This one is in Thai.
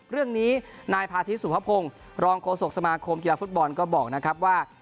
เรื่องนี้นายพาธิสุภพงศ์รองโฆษกสมาคมกีฬาฟุตบอลก็บอกนะครับว่า